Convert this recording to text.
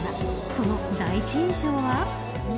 その第１印象は。